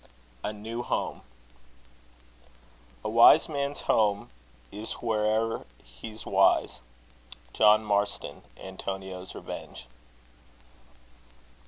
A NEW HOME. A wise man's home is whereso'er he's wise. JOHN MARSTON. Antonio's Revenge.